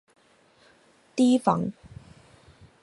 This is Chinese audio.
提防